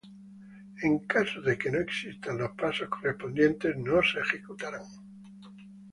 En caso de que no existan los pasos correspondientes no se ejecutarán.